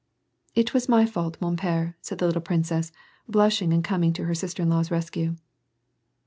" It was my fault, mon pere,^ said the little princess, blush ing, and coming to her sister in law's rescue.